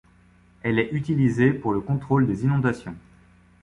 Elle est utilisée pour le contrôle des inondations.